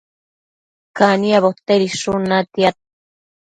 caniabo tedishun natiad